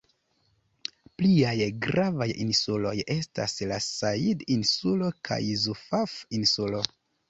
Pliaj gravaj insuloj estas la Sajid-insulo kaj Zufaf-insulo.